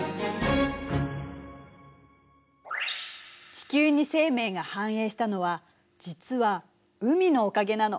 地球に生命が繁栄したのは実は海のおかげなの。